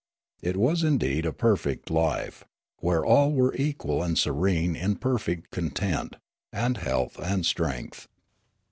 It was indeed a perfect life, where all were equal and serene in perfect content, and health, and strength.